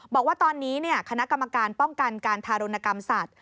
บอกว่าตอนนี้คณะกรรมการป้องกันการทารุณกรรมสัตว